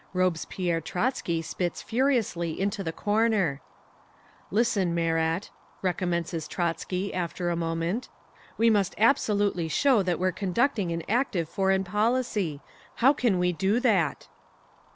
Robespierre Trotzky spits furiously into the corner…. "'Listen, Marat,' recommences Trotzky, after a moment. 'We must absolutely show that we're conducting an active foreign policy. How can we do that?